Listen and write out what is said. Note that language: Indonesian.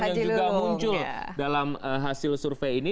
yang juga muncul dalam hasil survei ini